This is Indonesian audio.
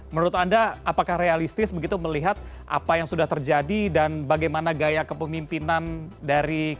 menurut anda apakah realistis begitu melihat apa yang sudah terjadi dan bagaimana gaya kepemimpinan dari